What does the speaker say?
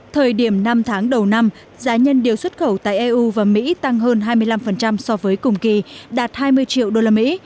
thời điểm năm tháng đầu năm giá nhân điều xuất khẩu tại eu và mỹ tăng hơn hai mươi năm so với cùng kỳ đạt hai mươi triệu usd